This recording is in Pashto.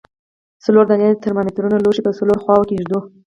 څلور دانې ترمامترونه لوښي په څلورو خواو کې ږدو.